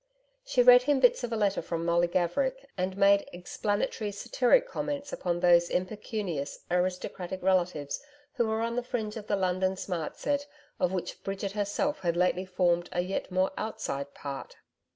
She read him bits of a letter from Molly Gaverick and made explanatory, satiric comments upon those impecunious, aristocratic relatives who were on the fringe of the London smart set of which Bridget herself had lately formed a yet more outside part.